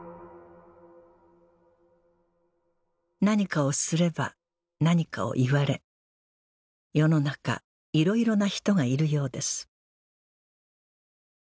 何かをすれば何かを言われ世の中いろいろな人がいるようです